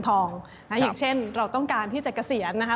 อย่างเช่นเราต้องการที่จะเกษียณนะคะ